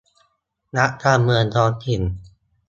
นักการเมืองท้องถิ่น